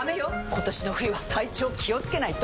今年の冬は体調気をつけないと！